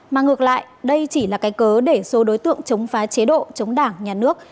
mà ngược lại đây chỉ là cái cớ để số đối tượng chống phá chế độ chống đảng nhà nước